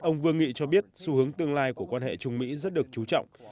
ông vương nghị cho biết xu hướng tương lai của quan hệ trung mỹ rất được trú trọng